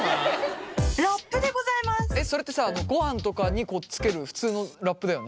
えっそれってさごはんとかにこうつける普通のラップだよね？